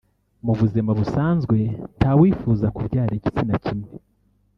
Mu buzima busanzwe nta wifuza kubyara igitsina kimwe